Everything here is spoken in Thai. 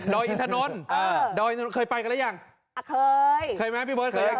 ดอยอินทนนท์เคยไปกันหรือยัง